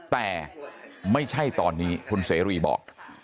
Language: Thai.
แต่ไม่ใช่ตอนนี้คุณเสรีบอก